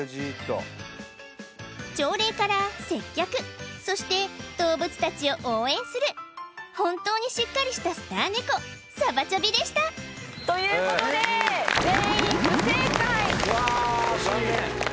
朝礼から接客そして動物たちを応援する本当にしっかりしたスターネコサバチョビでしたということで・わ惜しい！